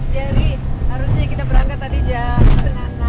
jadi harusnya kita berangkat tadi jam enam tiga puluh